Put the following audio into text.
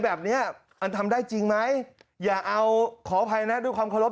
แบบเนี้ยมันทำได้จริงไหมอย่าเอาขออภัยนะด้วยความเคารพ